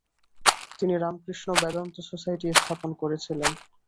তিনি "রামকৃষ্ণ বেদান্ত সোসাইটি" স্থাপন করেছিলেন।